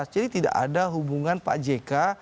jadi tidak ada hubungan pak jk